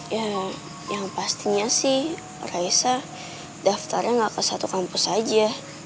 ya yang pastinya sih raisa daftarnya nggak ke satu kampus saja